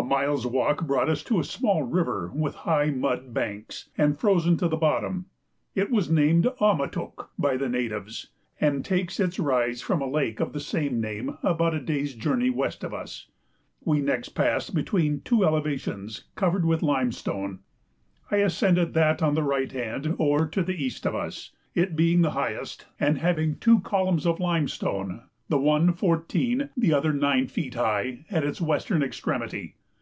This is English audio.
A mile's walk brought us to a small river with high mud banks, and frozen to the bottom: it is named A ma took by the natives, and takes its rise from a lake of the same name about a day's journey west of us. We next passed between two elevations covered with limestone. I ascended that on the right hand or to the east of us, it being the highest and having two columns of limestone, the one fourteen, the other nine feet high, at its western extremity.